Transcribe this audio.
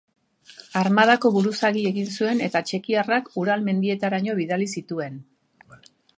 Armadako buruzagi egin zuen eta txekiarrak Ural mendietaraino bidali zituen.